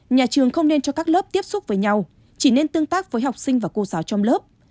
nhà trường không nên cho các lớp tiếp xúc với nhau chỉ nên tương tác với học sinh và cô giáo trong lớp